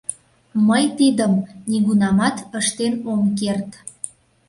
Мый тидым нигунамат ыштен ом керт.